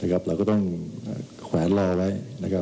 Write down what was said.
เราก็ต้องแขวนรอไว้